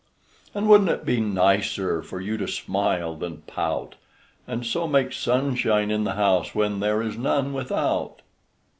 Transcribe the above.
And wouldn't it be nicer For you to smile than pout, And so make sunshine in the house When there is none without?